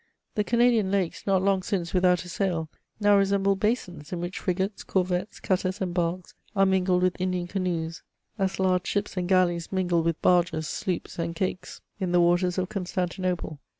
The Canadian lakes, not long since without a sail, now resemble basins, in which frigates, corvettes, cutters, and barks are mingled with Indian canoes, as large ships and galleys mingle with bai^s, sloops, and caiques^ in the waters of Constantinople.